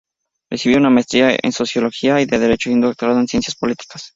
Recibió una maestría en sociología y de derecho, y un doctorado en ciencias políticas.